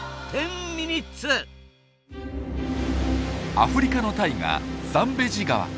アフリカの大河ザンベジ川。